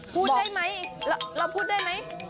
พูดได้ไหมเราพูดได้ไหม